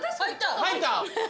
入った！